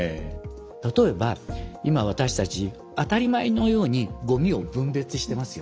例えば今私たち当たり前のようにごみを分別してますよね。